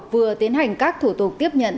vừa tiến hành các thủ tục tiếp nhận